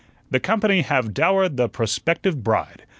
The company have dowered the prospective bride.